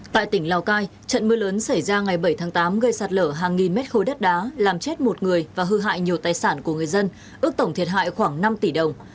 tại tỉnh lào cai trận mưa lớn xảy ra ngày bảy tháng tám gây sạt lở hàng nghìn mét khối đất đá làm chết một người và hư hại nhiều tài sản của người dân ước tổng thiệt hại khoảng năm tỷ đồng